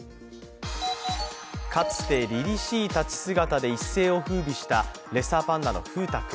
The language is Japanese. かつてりりしい立ち姿で一世をふうびしたレッサーパンダの風太君。